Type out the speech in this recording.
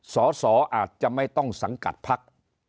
สอสออาจจะไม่ต้องสังกัดพัก